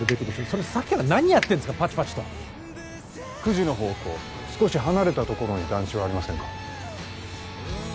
それさっきから何やってんすかパチパチと９時の方向少し離れたところに団地はありませんか？